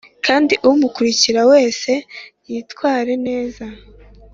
kandi umukurikira wese yitware neza